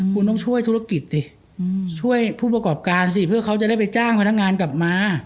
คุณต้องช่วยธุรกิจดิช่วยผู้ประกอบการสิเพื่อเขาจะได้ไปจ้างพนักงานกลับมา